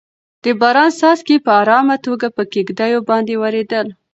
د باران څاڅکي په ارامه توګه په کيږديو باندې ورېدل.